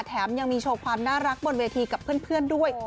แถมยังมีโชว์ความน่ารักบนเวทีกับเพื่อนด้วย